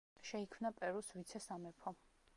შეიქმნა პერუს ვიცე-სამეფო.